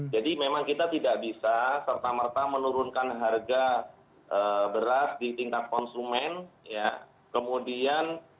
jadi memang kita tidak bisa serta merta menurunkan harga berat di tingkat konsumen